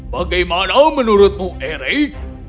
bagaimana menurutmu eric